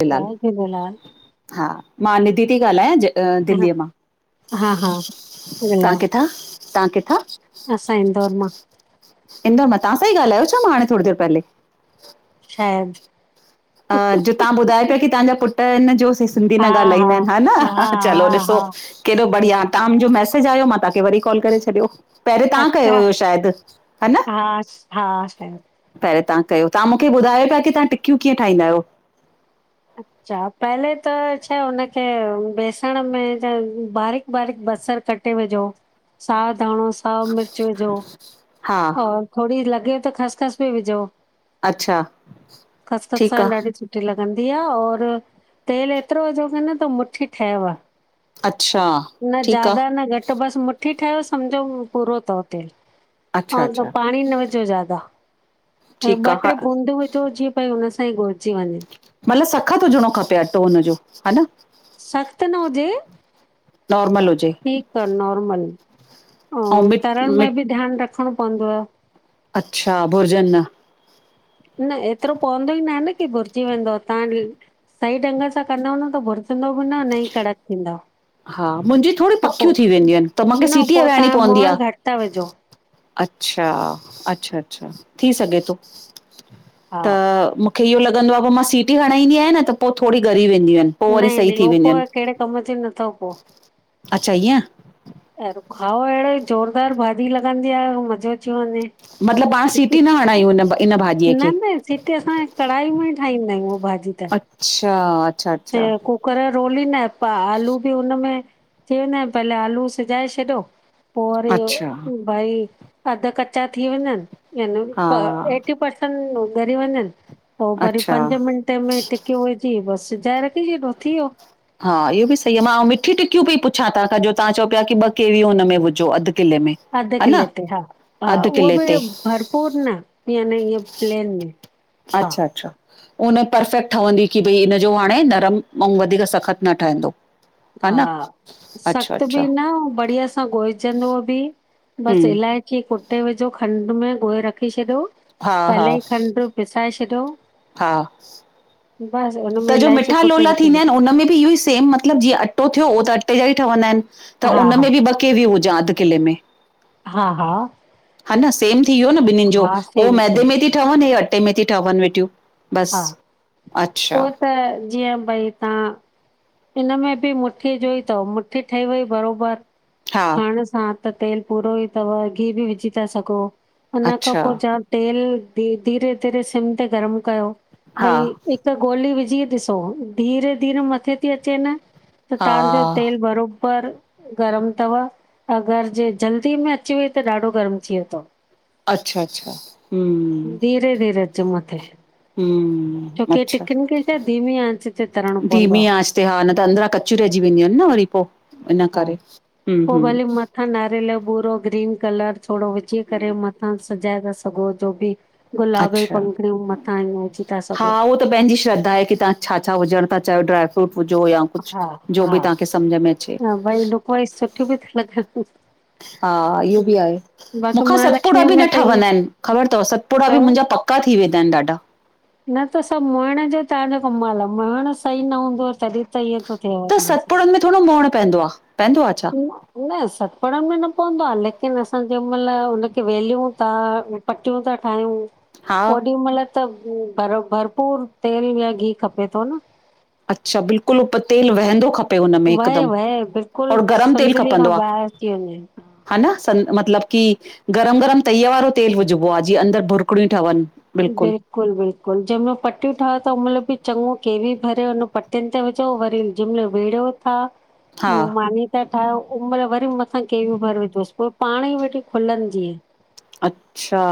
झूलेलाल जय झूलेलाल। हा, मां निधि थी ॻाल्हायां ज अ हा दिल्लीअ मां, हा हा तव्हां ॻाल्हायो किथां? तव्हां किथां? असां इंदौर मां। इंदोर मां, तवां सां ई ॻाल्हायो छा मां हाणे थोरी देर पहले? शायदि। अ जो तव्हां ॿुधाए पियो, की तव्हांजा पुटु हिन जो सिंधी हा न ॻाल्हाईंदा आहिनि हा न? चलो हा ॾिसो। हा केॾो बढ़िया, तव्हां मुंजो मैसेज आयो मां तहांखे वरी कॉल करे छॾियो। पहिरे तव्हां कयो अच्छा हुयो शायद, है न? हा हा शायदि पहिरं तव्हां कयो, तव्हां मूंखे ॿुधायो पिया की तव्हा टिकियूं कीअं ठाहीन्दा आयो। अच्छा, पहले त छाए हुनखे, बेसण में बारीक़-बारीक़ बसर कटे टे विझो, साओ धाणो। साओ मिर्च विझो हा और थोरी लॻे त ख़सख़स बि विझो‌। अच्छा खसखस सां ठीकु आहे ॾाढी सुठी ठी लॻंदी आ और तेल एतिरो विझो की न त मुठी ठयव। अच्छा न ठीकु ज्यादा, आहे न घटि बसि मु ठी ठहियो सम्झो पूरो तव तेल, अच्छा आऊं त अच्छा पाणी न विझो ज्यादा। ऐं ठीकु ॿ आहे हा टे बूंदू विझो, जीअं भई हुन सां ई घुरजी वञे। मतल सख़त हुजणो खपे अटो हुनजो ह न? सख़्त न हुजे। नॉर्मल हुजे। ठीक आ नॉर्मल, ऐं आऊं मिट तरण मिट में बि ध्यानु रखिणो पवंदोव। अच्छा, बुर्जन न। न एतिरो पवंदो ई न आहे न की बुरजी वेंदो, तव्हां सही ढंग सां कंदव न त भुरजंदो बि न न ई कड़क थींदव। हा, मुंजी थोरी त पो पकियूं थी वेंदियूं आहिनि, त मूंखे न सीटी पो हणाईणी तव्हां पवंदी आ। मोअण घटि था विझो अच्छा, अच्छा-अच्छा थी सघे तो हा त मूंखे इहो लॻंदो आ पो मां सिटी हणाईंदी आहियां न, त पो थोरी ॻरी वेंदियूं आहिन पो वरी नई सही नई थी उहो पो वेंदियूं आहिन। [unintelligible] नथो पो अच्छा ईअं? एरो खाओ अहिड़ो ज़ोरदार भाॼी लॻंदी आ मज़ो अ मतिलबु पाण सीटी न हणायूं हुन न न सीटी, असां कढ़ाई में ई ठाहींदा आहियूं, उहा भाॼी त। अच्छा। अच्छा अच्छा [unintelligible] कर रोलींदा पा आलू बि हुन में थी वेंदा आहिनि, पहले आलू सिजाए छॾियो। पो वरी अच्छा भई अधु कचा थी वञनि यानि हा एटी परसेंट घरी वञनि, पो वरी अच्छा पंज मिंटे में टिकियूं विझी बस [unintelligible] हा इहो ॿि सही आ, मां मिठी टिकियूं पई पुछां तांखां जो तव्हां चओ पिया की ॿ केवी हुन में विॼो, अधु किले में। अधे हा न किले ते हा हा अधु उहो किले ते ॿि भरपूर न, याने इ प्लेन में। हा अच्छा अच्छा उन परफेक्ट ठहंदी की भई इनजो हाणे नरम अंउ वधीक सख़तु न ठहंदो। हा, अच्छा सख़्तु बि अच्छा न, बढ़िया सां ॻोहिजंदो ॿि बसि हम इलाही कि कुटे विझो खंडु में ॻोहे रखी छॾियो, हा हा पहले ईं खंडु पिसाए छॾियो। हा [unintelligible] त जो मिठा कुटे लोला रखिजो थींदा आहिनि, उनमें ॿि इयो ई सेम मत मतिलबु जीअं अटो थियो, उहो त अटे जा ई ठहंदा आहिनि, त हा उन हा में ॿि ॿ केविय हुजां अधु किले में? हा-हा हा न सेम थी वियो न ॿिन्हिनि जो? हो सेम मैदे सेम में थी ठहनि, हे अटे में थी ठहनि वेठियूं। हा बस, अच्छा उहो त जीअं भई तां हिननमें ॿि मुठी जोई तवं मुठी ठही वई बरोबर हा खाइण सां त तेलु पूरो ई तवं, घि ॿि विझी था सघों। हुन खां अच्छा पो जा तेल धीरे-धीरे सिम ते गरम कयो हा भई हिकु गोली विझी ॾिसो, धीरे-धीरे मथे थी अचे न त हा तव्हांजो तेल बरोबर गरम तव अगरि जे जल्दी में अची वई त ॾाढो गरम थी वियो तव। अच्छा-अच्छा हं [unintelligible] अचे मथे हम् छोकी अच्छा, टिकिन खे त धीमी आंच ते तरणो पवंदो धीमी आहे आंच ते हा न त अंदरां कचियूं रहिजी वेंदियूं आहिनि न वरी पो। इन हा। करे, हम् पो हम् भले मथां नारेयल बूरो ग्रीन कलर थोणो विझी करे मथां सिजाए था सघो, जो ॿि गुलाब जी अच्छा पंखुड़ियूं मथां ईं विझी था सघो। उ त पंहिंजी श्र्द्धा आ की तव्हां छा छा विझण ता चायो, ड्राय फ्रूट हुजो या कुछ, हा जो ॿि तहांखे सम्झ में अचे। उवोई सुठी ॿि त्यूं लॻन। हा इहो बि आहे, बाक़ी मूंखां सतपुड़ा महालक्ष्मी ॿि न में त ईअं ठवंदा आहिन, ख़बर तवं सतपुड़ा ॿि चओ मुंहिंजा पक पका थी वेंदा आहिनि ॾाढा। न त सब मोएंण जो तहांजो कमाल आ, मोएण सही न हूंदो तॾहिं त इअं थो थिएव त तव्हांसां। सतपुड़नि में थोणिन मोअण पवंदो आ, पवंदो आ छा? न सतपुड़नि में न पवंदो आ, लेकिन असां जंहिं मईल हुनखे बेल्यूं ता पटियूं था ठायूं हा ओॾी मइल त भरपूर तेल या घी खपे थो न। अच्छा बिल्कुलु उप तेल वहंदो खपे पे उनमे वहे हिकदमि, वहे बिल्कुलु और गरम तेल संदली खां खपंदो आ? ॿाहिरि अची वञे हन सन मतलब की गरम-गरम तईअ वारो तेल विझॿो आ जीअं अंदरि भुरकड़ियूं ठवनि। बिल्कुलु बिल्कुलु-बिल्कुलु जंहिं महिल पटियूं ठाहियो त उंहिंमहिल ॿि चञो केवी भरे हुन पटियुनि ते विॼो वरी ॼेमल वेड़ियो था हा मानी त ठाहियो उ महिल वरी मथां केवी भर विझोसि पोइ पाण ई वेठी खुलंदी। अच्छा,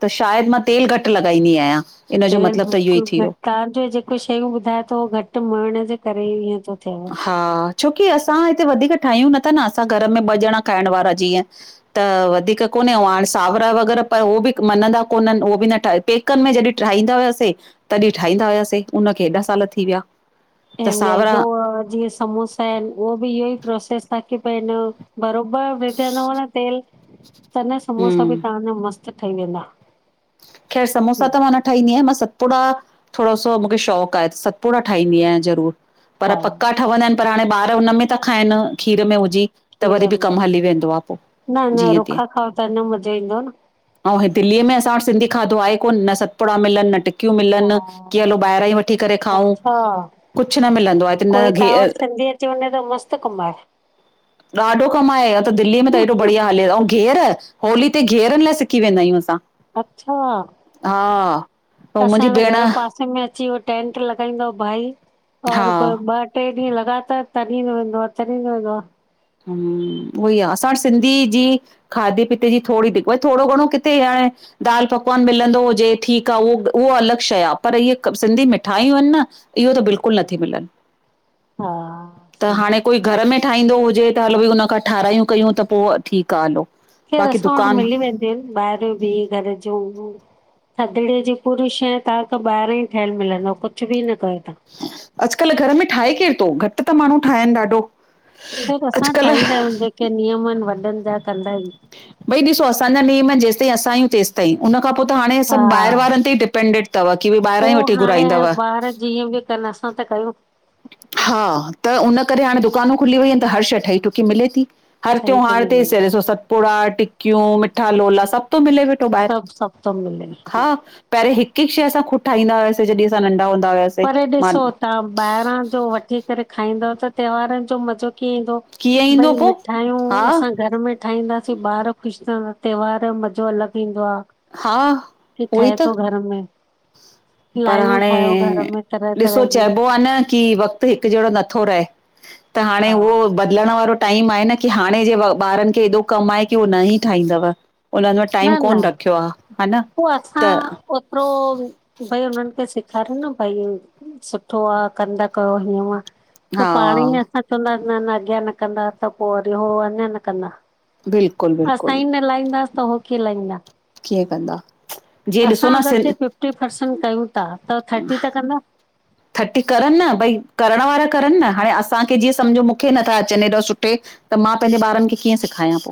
त शायदि मां तेल घटि लॻाईंदी आहियां, इन जो मतिलबु त इहो ई थी वियो। तव्हांज जेको शयूं ॿुधाए थो, घट मोहीण जे करे ईअं थो थिएव। हा, छोकी असां हिते वधीक ठाहियूं नथा न, असां घर में ॿ ॼणा खाइण वारा जीअं। त वधीक कोन्हे, अऊ हाणे सावरा वग़ैरह पर उहो बि मञंदा कोननि, उहो बि न ठाहे पेक पेकनि में जॾहिं ठाहींदा हुया सीं तॾहिं ठाहींदा हुया सीं, उनखे एॾा साल थी विया। त हे सावरा मैदो और जीअं समोस उहो बि इहो ही प्रोसेस ताकी भई न कि बरोबर विझंदव न तेल त न समोसा बि हम्म तव्हांजा मस्तु ठही वेंदा। खैर समोसा हम्म, त मां न ठाहींदी आहियां, मां सतपुड़ा थोड़ो सो मूंखे शौंक़ आहे, सतपुड़ा ठाहींदी आहियां ज़रूर। पर हा पक्का ठवंदा आहिनि पर हाणे ॿार हुन में था खाइनि खीर में विझी। त खीर वरी बि कम में हली वेंदो आ पो, न न जीअं तीअं। रुखा खाओ त न मज़ो ईंदो न अऊ हे दिल्ली में असां वट सिंधी खाधो आहे कोन्ह, न सतपुड़ा मिलनि न टिक न हा मिलनि, कि हलो ॿाहिरां ही वठी करे खाऊं, अच्छा कुछ न मिलंदो आ न घि थी वने त मस्त कम आहे। ॾाढो कम आहे, या त दिल्ली में त एॾो बढ़िया हले, अऊ घेअर होली ते घिहरनि लाइ सिकी वेंदा आहियूं असां। अच्छा, हा ऐं असां मुंहिंजी त भेण घर पासे में अची वठ टेंट लॻाईंदो आ भाई और हा ॿ ट्रे ॾींहं लॻातार तरिंदो वेंदो आ, तरिंदो वेंदो आ। हम्म उहो ही आ, असां वट सिंधी जी खाधे पीते जी थोड़ी दिकत वरी थोड़ो घणो किथे आए दाल पकवान मिलंदो हुजे ठीक आ, उहो उह अलॻि शइ आ पर इहे सिंधी मिठाइयूं आहिनि न। इयो त बिल्कुल नथी मिलनि हा त हाणे कोई घर में ठाहींदो हुजे त हलो भाई हुन खां ठारहिरायूं कयूं त पो ठीक आ, हलो। ख़ेर बाक़ी असां वट दुकान मिली वेंदियु आहिनि, ॿाहिरिं ॿि घर ज थधिड़ीअ जी पूरी शइ तहांखे ॿाहिरां ही ठहियल मिलंदव, कुछ बि न कयो तहां। अॼुकल्ह घर में ठाहे केर तो, घट ता माण्हू ठाहिन ॾाढो खैर असां अॼकल्ह ठाहींदा आहियूं जेके नियम आहिन वॾन जा कंदा आहियूं। भाई ॾिसो असांजा नियम जेसताईं असां आहियूं तेसताई तं उन खां पो त हाणे हा सब बहिरि वारनि ते ही डिपेंडिट तव की भाई ॿाहिरां ही वठी पोइ हाणे घुराईंदव। ॿार जीअं बि कनि असां त कयूं हा त उन करे हाणे दुकानूं खुली वेई आहिनि त हर शइ ठही ठुकी मिले थी हर सही थो त्यौहार ते मिले स ॾिसो सतपुड़ा टिकियूं मिठा लोला सब सब थो मिले वेठो ॿाहिरि, सभु सभु थो मिले हा। पहिरें हिक हिक शइ असां ख़ुद ठाहींदा हुयास जहिं असां नंढा हुदं पर ॾिसो तव्हां ॿाहिरां जो वठी करे खाईंदव त त्योहारन जो मज़ो कीअं ईंदो कीअं ईंदो भाई पो? मिठायूं हा, असां घर में ठाहींदासीं ॿार ख़ुश थींदा त्योहार जो मज़ो अलॻ ईंदो आ। हा, कि उहोई ठहे त। थो घर में पर लाईयूं हाणे ठाहियो। घर में तरह ॾिसो तरह जूं चइबो आ न की वक़्त हिक जहिड़ो नथो रहे, त हाणे हा उहो हलण वारो टाइम आहे न की हाणे जे ॿारनि खे एॾो कम आहे की हो न ई ठाहींदव। उन्हन वट टाइम कोन्ह रखियो आ हा न। पो असां त ओतिरो भाई हुननि खे सेखारियो न भाई सुठो आ कंदा कयो हीअं हुअं। त हा पाणे ई असां चवंदास न न अॻियां न कंदा त पो वरी उ अञां न कंदा। बिल्कुलु असां बिल्कुलु ई न लहींदासीं त हो कीय लहींदा। कीअं कंदा? जीअं ॾिसो असां न अॻरि सिं जे फिफ्टी परसेंट कयूं ता, त थर्टी त कंदा। थटी करनि न, भई करण वारा करनि न, हाणे असांखे जीअं सम्झो मूंखे नथा अचनि हेॾो सुठे त मां पंहिंजे ॿारनि खे कीअं सिखाया पो,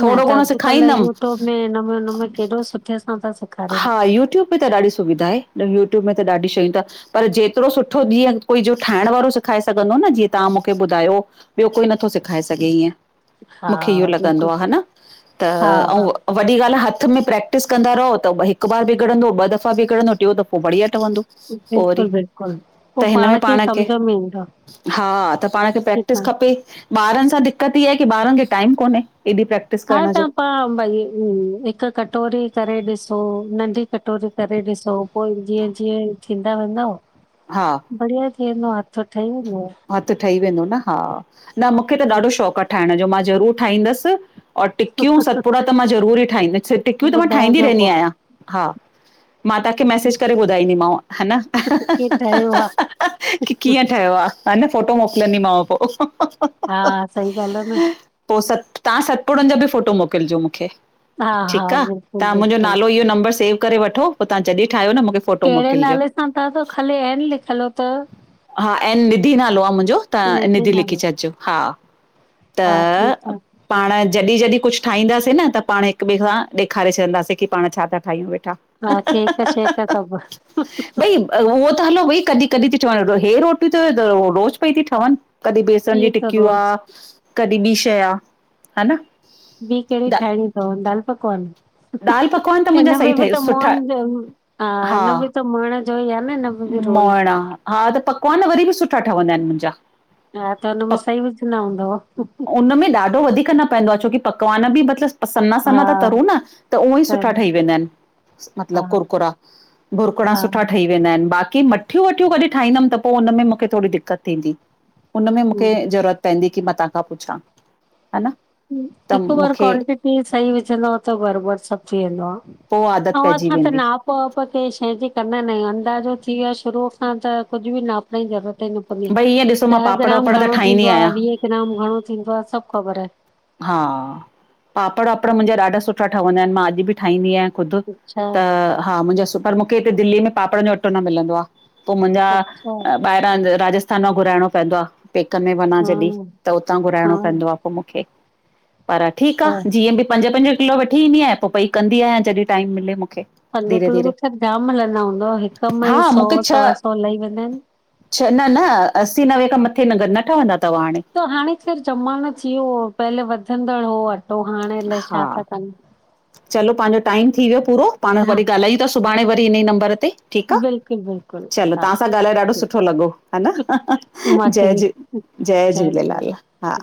थोडो घणो सिखाईंदम। हिनमे नम नम केॾो सुठे सां ता सघ। हा यूट्यूब पे त ॾाढी सुविधा आहे, यूट्यूब में त ॾाढी शयूं ता पर जेतिरो सुठो जीअं कोई जो ठाहिण वारो सिखाए सघंदो न जीअं तां मूंखे ॿुधायो ॿियो कोई नथो सेखाए सघे इएं, हा मूंखे इहो लॻंदो बिल्कुलु आ ह न हा त हा अऊं वॾी ॻाल्हि आ हथु में प्रैक्टिस कंदा रहो त हिकु बार बिगड़ंदो ॿ दफ़ा बिगड़ंदो टियों दफ़ो बढ़िया ठवंदो। बिल्कुलु बिल्कुलु पो पाण खे सम्झ में ईंदा। हा त पाण खे प्रैक्टिस खपे ॿारनि सां दिक्क़त इएं आय की ॿारनि खे टाइम कोन्हे एॾी प्रक। हा त पा भई हूं, हिकु कटोरी करे ॾिसो नंढी कटोरी करे ॾिसो पो जीअं जीअं थींदा वेंदव हा बढिया थीवेंदो हथु ठहिवयो हथु ठही वेंदो न हा न मूंखे त ॾाढो शौंक़ु आ ठाहिण जो मां ज़रूरु ठाहींदसि। और टिकियूं सतपुड़ा त मां ज़रूरी ई ठाहींद, टिकियूं त मां ठाहींदी ॿुधाइजो रहंदी पोइ आहियां, हा। मां तांखे मैसेज करे ॿुधाईंदीमांव ह न। की ठहियो आहे की कीअं ठयो आ। ह न फोटो मोकिलंदीमांव पो। हा सही ॻाल्हि आ न। पो तां सतपुड़नि जा बि फोटो मोकिलिजो मूंखे हा ठीकु हा आ, बिल्कुलु तां मुंहिंजो बिल्कुलु नालो इहो नंम्बरु सेव करे वठो पो तां जॾी ठाहियो न मूंखे फोटो कैड़े मोकिलिजो नाले सां ता त खाली एन लिखल तव? निधी नालो आ मुंहिंजो, तां निधी लिखी छॾिजो हा। त हा ठीकु आहे पाण जॾी जॾी कुझु ठाहींदासीं न, पाण हिकु ॿिए खां ॾेखारे छॾींदासीं की पाण छा ता ठाहियूं वेठा। हा केक शेक सभु। हुअ त हलो भई कॾी कॾी ती ठवनि हे रोटी त रोज़ पई ती ठवनि, कॾी बेसन जी इहे त टिकियूं आ रोज़ कॾी बि शएं आ, ह न। ॿी कहिड़ी द ठाहिणी तव दाल पकवान? दाल पकवान त मुंहिंजा हिन सही में बि ठही त सुठा मोहन, हा हिन में त मोएण जो ई आ न हिन में बि रोल मोएण आ, हा त पकवान वरी बि सुठा ठवंदा आहिनि मुंहिंजा। हा त हुनमें सही विझंदा हूंदव। हुनमें ॾाढो वधीक न पैंदो आ छोकी पकवान बि मतिलबु सना हा सना तरूं न त उह ई सुठा ठही वेंदा आहिनि। मतिलबु हा कुरकुरा बुरकुड़ा हा सुठा ठही वेंदा आहिनि बाक़ी मठियूं वठियूं कॾी ठाहींदमि त पो हुन में मूंखे थोड़ी दिक्क़त थींदी। उनमें मूंखे हम्म ज़रूरत पैंदी की मां तां खां पुछां, ह न। त हिकु बार मूंखे क्वांटिटी सही विझंदव त बरोबर सभु थी वेंदो पोइ आदत आ। पइजी असां त वेंदी नाप नाप कंह शइ जी कंदा न आहियू अंदाज़ो थी वियो आहे शुरूअ खां त कुछ बी नाप [unintelligible] जी ज़रूरत ई न पवंदी भई ईअं ॾिसो मां ॾह पापड़ ग्राम वापड़ त घणो ठाहींदी थींदो आह आहियां वीह ग्राम घणो थींदो आह सभ ख़बर आहे हा पापड़ वापड़ मुंहिंजा ॾाढा सुठा ठवन्दा आहिन मां अॼ बी ठाहींदी आहियां। ख़ुद अच्छा त हा मुंहिंजा सुपर मूंखे हिते दिल्ली में पापड़न जो अटो न मिलंदो आह पोइ मुंहिंजा अच्छा ॿाहिरां राजस्थान मां घुराइणो पवंदो आह पेकन में वञा हा जॾहिं त उतां हा घुराइणो पवंदो आह पोइ मूंखे पर ठीक हा आह जीअं बी पंज पंज किलो वठी ईंदी आहियां पोइ भई कंदी आहियां जॾहिं टाइम मिले मूंखे। पंज धीरे किलो मे धीरे, त जाम हलंदा हूंदव हिक मा ई हा सौ मूंखे सवा छह सौ लही वेंदा आहिन। छह न न असी नवें खां मथे नग न ठहंदा थव हाणे। त हाणेे त ज़मानो थी वियो पहले वधंदड़ हो अटो हाणे अलाए छा हा था कन। चलो पहांजो टाइम थी वियो पूरो पाण हा वरी ॻाल्हायूं था सुभाणे वरी हिन ई नंबर ते। ठीक आह बिल्कुलु बिल्कुलु चलो हा तहां सां ॻाल्हाए ॾाढो सुठो लॻो ह न मांखे जय बि झूलेलाल। जय झूलेलाल हा